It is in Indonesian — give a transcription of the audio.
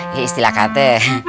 ya istilah kate